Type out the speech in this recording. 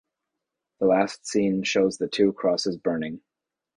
The last scene shows the two crosses burning.